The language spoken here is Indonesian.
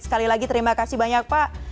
sekali lagi terima kasih banyak pak